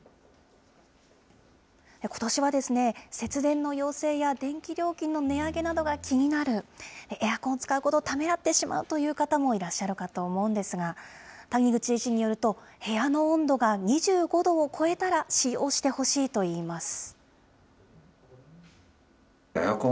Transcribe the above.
ことしは節電の要請や電気料金の値上げなどが気になる、エアコンを使うことをためらってしまうという方もいらっしゃるかと思うんですが、谷口医師によると、部屋の温度が２５度を超えたら使用してほしいといいます。